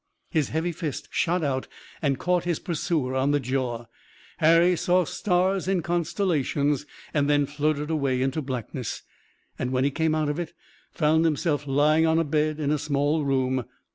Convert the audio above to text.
His heavy fist shot out and caught his pursuer on the jaw. Harry saw stars in constellations, then floated away into blackness, and, when he came out of it, found himself lying on a bed in a small room.